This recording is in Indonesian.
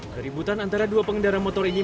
keributan antara dua pengendara motor ini